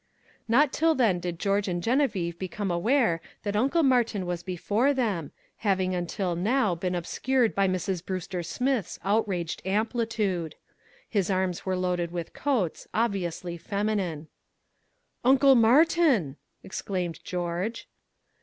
Not till then did George and Geneviève become aware that Uncle Martin was before them, having until now been obscured by Mrs. Brewster Smith's outraged amplitude. His arms were loaded with coats, obviously feminine. "Uncle Martin!" exclaimed George.